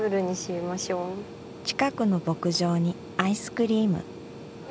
近くの牧場にアイスクリーム。